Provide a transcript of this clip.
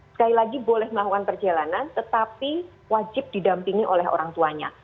sekali lagi boleh melakukan perjalanan tetapi wajib didampingi oleh orang tuanya